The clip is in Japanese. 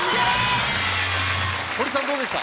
堀さんどうでした？